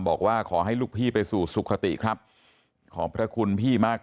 บอกว่าขอให้ลูกพี่ไปสู่สุขติครับขอบพระคุณพี่มาก